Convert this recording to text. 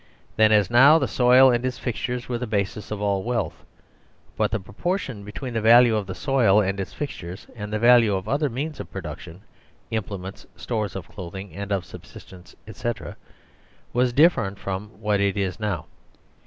Then, as now, the soil and its fixtures werethe basis of all wealth, but the proportion between the value of the soil and its fixtures and the value of other means of production (implements, stores of clothing and of subsistence, etc.) was different from what it is now.